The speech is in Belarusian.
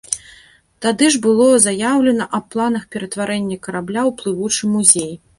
Тады ж было заяўлена аб планах ператварэння карабля ў плывучы музей.